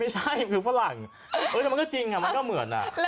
ชาวดรับมา